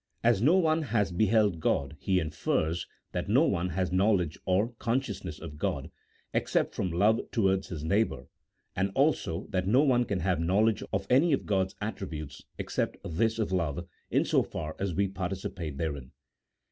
As no one has beheld God he infers that no one has knowledge or consciousness of God, except from love towards his neighbour, and also that no one can have knowledge of any of God's attributes, except this of love, in so far as we participate therein.